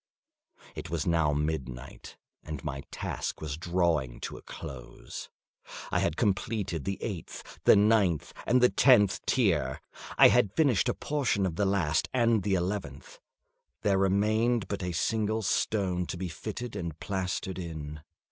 It was now midnight, and my task was drawing to a close. I had completed the eighth, the ninth, and the tenth tier. I had finished a portion of the last and the eleventh; there remained but a single stone to be fitted and plastered in.